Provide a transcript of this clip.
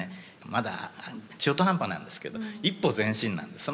まだ中途半端なんですけど一歩前進なんです。